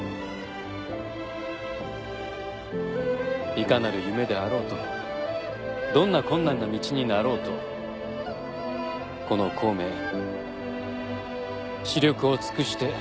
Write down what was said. いかなる夢であろうとどんな困難な道になろうとこの孔明死力を尽くしてお助けいたします。